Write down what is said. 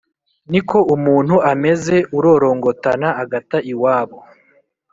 ni ko umuntu ameze ururongotana agata iwabo